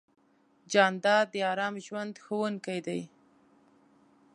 جانداد د ارام ژوند خوښوونکی دی.